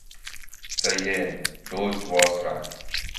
So yeah, George was right.